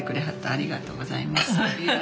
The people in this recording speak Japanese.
ありがとうございます。